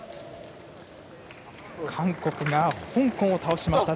韓国が香港を倒しました。